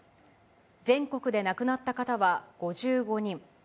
全国で亡くなった方は５５人。